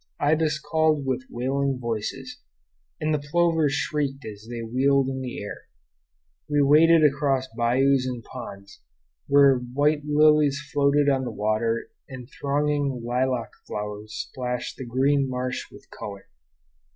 Ibis called with wailing voices, and the plovers shrieked as they wheeled in the air. We waded across bayous and ponds, where white lilies floated on the water and thronging lilac flowers splashed the green marsh with color.